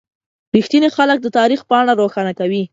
• رښتیني خلک د تاریخ پاڼه روښانه کوي.